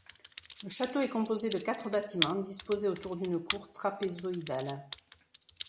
Le château est composé de quatre bâtiments disposés autour d'une cour trapézoïdale.